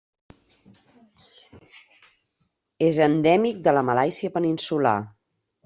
És endèmic de la Malàisia peninsular.